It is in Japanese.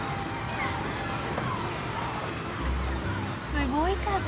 すごい数。